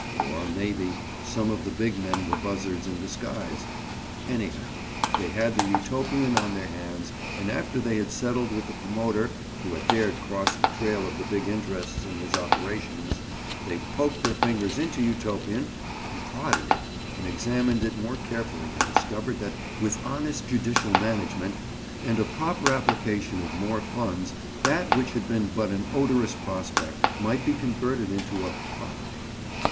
Or, maybe, some of the big men were buzzards in disguise. Anyhow, they had the Utopian on their hands, and after they had settled with the promoter who had dared cross the trail of the big interests in his operations, they poked their fingers into Utopian and prodded it and examined it more carefully and discovered that with "honest judicial management" and a proper application of more funds that which had been but an odorous prospect might be converted into a "property."